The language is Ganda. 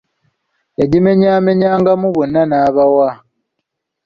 Yagimenyaamenyangamu bonna n'abawa.